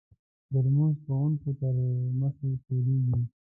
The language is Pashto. د لمونځ کوونکو تر مخې تېرېږي.